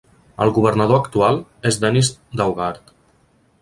El governador actual és Dennis Daugaard.